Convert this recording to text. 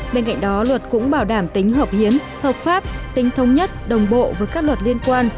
bên cạnh đó luật cũng bảo đảm tính hợp hiến hợp pháp tính thống nhất đồng bộ với các luật liên quan